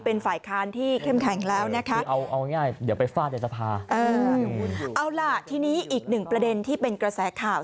เอาล่ะที่นี้อีกหนึ่งประเด็นที่เป็นกระแสข่าว